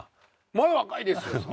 まだ若いですよ。